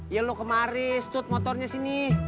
iya lo kemarin stut motornya sini